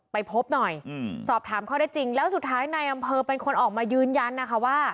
ไปพบหน่อยสอบถามข้อได้จริงแล้วสุดท้ายนายอำเภอเป็นคนออกมายืนยันนะคะว่า